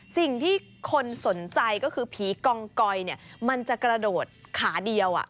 สิ่งที่คนสนใจก็คือผีกองกอยมันจะกระโดดขาเดียว